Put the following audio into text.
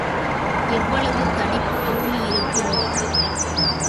எவ்வளவு தடிப்பு பூமி இருக்குமோ?